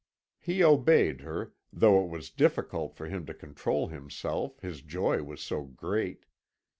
"He obeyed her, though it was difficult for him to control himself, his joy was so great.